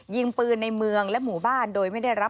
ยิงปืนในเมืองและมุมบ้านโดยไม่ได้รับอนุญาต